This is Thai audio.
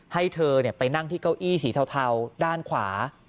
ให้เธอไปนั่งที่เก้าอี้สีเทาด้านขวา